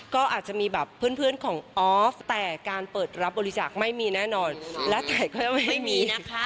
ก็อาจจะมีแบบเพื่อนของออฟแต่การเปิดรับบริจาคไม่มีแน่นอนและถ่ายค่อยมีนะคะ